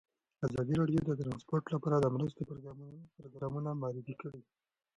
ازادي راډیو د ترانسپورټ لپاره د مرستو پروګرامونه معرفي کړي.